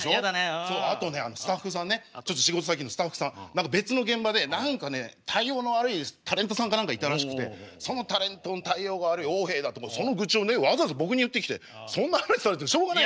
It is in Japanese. あとねスタッフさんねちょっと仕事先のスタッフさん別の現場で何かね対応の悪いタレントさんか何かいたらしくてそのタレントの対応が悪い横柄だってその愚痴をわざわざ僕に言ってきてそんな話されてもしょうがないですよ。